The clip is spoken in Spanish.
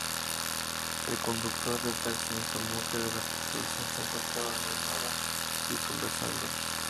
El conductor del taxi informó de que la tripulación se encontraba animada y conversando.